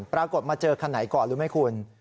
ปรากฏมาเจอคันไหนก่อนรู้ไหมคุณ